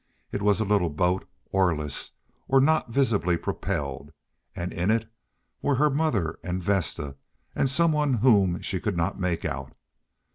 It was a little boat, oarless, or not visibly propelled, and in it were her mother, and Vesta, and some one whom she could not make out.